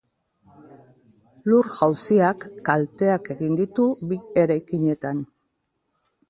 Lur-jauziak kalteak egin ditu bi eraikinetan.